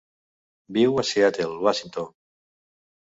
Viu a Seattle, Washington.